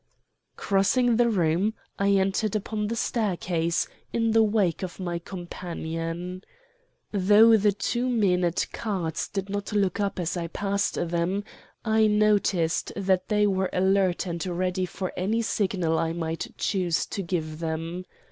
"Crossing the room, I entered upon the staircase, in the wake of my companion. Though the two men at cards did not look up as I passed them, I noticed that they were alert and ready for any signal I might choose to give them.